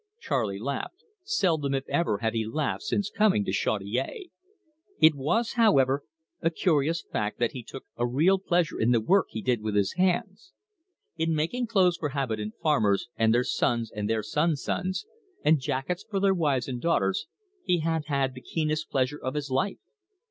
Charley laughed seldom, if ever, had he laughed since coming to Chaudiere. It was, however, a curious fact that he took a real pleasure in the work he did with his hands. In making clothes for habitant farmers, and their sons and their sons' sons, and jackets for their wives and daughters, he had had the keenest pleasure of his life.